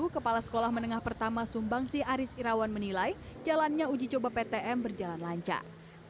kepala sekolah menengah pertama sumbangsi aris irawan menilai jalannya uji coba ptm berjalan lancar